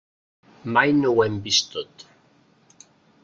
Mai no ho hem vist tot.